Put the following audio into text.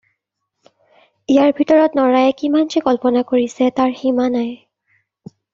ইয়াৰ ভিতৰত নৰায়ে কিমান যে কল্পনা কৰিছে তাৰ সীমা নাই।